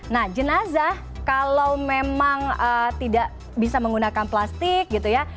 nah jenazah kalau memang tidak bisa menggunakan plastik gitu ya